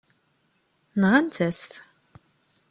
Nɣant-as-t.